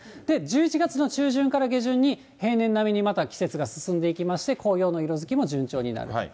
１１月の中旬から下旬に平年並みにまた季節が進んでいきまして、紅葉の色づきも順調になる。